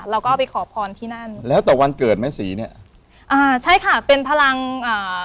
เราก็ไปขอพรที่นั่นแล้วแต่วันเกิดแม่ศรีเนี้ยอ่าใช่ค่ะเป็นพลังอ่า